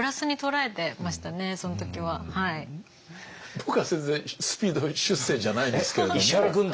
僕は全然スピード出世じゃないんですけれども。